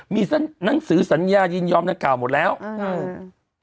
มีหนังสือสัญญายินยอมดังกล่าวหมดแล้วอ่า